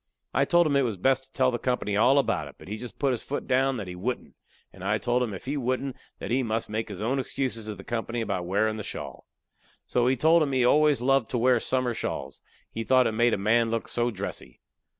I told him it was best to tell the company all about it, but he just put his foot down that he wouldn't, and I told him if he wouldn't that he must make his own excuses to the company about wearin' the shawl. So he told 'em he always loved to wear summer shawls; he thought it made a man look so dressy.